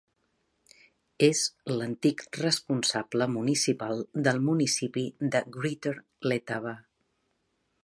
És l'antic responsable municipal del municipi de Greater Letaba.